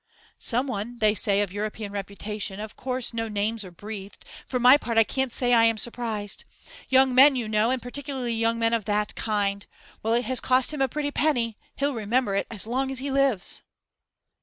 Someone, they say, of European reputation; of course no names are breathed. For my part, I can't say I am surprised. Young men, you know; and particularly young men of that kind! Well, it has cost him a pretty penny; he'll remember it as long as he lives.